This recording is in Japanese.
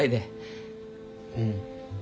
うん。